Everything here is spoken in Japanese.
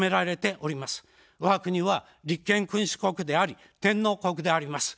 わが国は立憲君主国であり、天皇国であります。